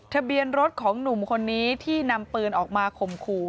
ทะเบียนรถของหนุ่มคนนี้ที่นำปืนออกมาข่มขู่